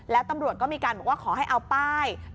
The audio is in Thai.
แล้วตำรวจก็มีการบอกว่าขอให้เอาป้าย